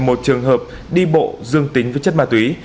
một trường hợp đi bộ dương tính với chất ma túy